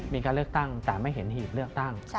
มีการเลือกตั้งแต่ไม่เห็นหีบเลือกตั้ง